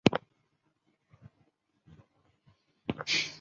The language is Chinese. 母方氏。